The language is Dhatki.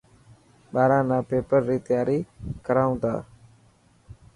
ٻاران نا پيپر ري تياري ڪرائون ٿا.